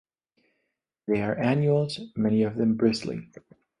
They are annuals, many of them bristly.